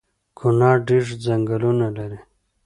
کونړ ډیر ځنګلونه لري